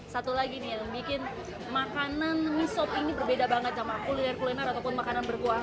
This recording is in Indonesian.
satu lagi nih yang bikin makanan mie sop ini berbeda banget sama kuliner kuliner ataupun makanan berkuah